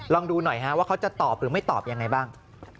ลองดูหน่อยว่าเขาจะตอบหรือไม่ตอบยังไงบ้าง